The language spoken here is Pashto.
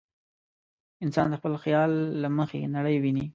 انسان د خپل خیال له مخې نړۍ ویني.